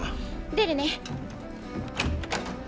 出るね。